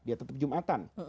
dia tetap jumatan